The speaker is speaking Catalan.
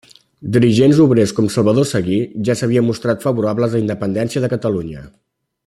Dirigents obrers com Salvador Seguí ja s'havien mostrat favorables a la independència de Catalunya.